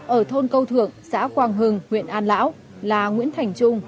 ở thôn câu thượng xã quang hưng huyện an lão là nguyễn thành trung